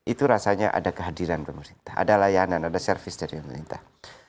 itu rasanya ada kehadiran pemerintah ada layanan ada servis dari pemerintah